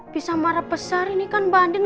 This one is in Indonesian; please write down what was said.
bisa marah besar ini kan mbak andin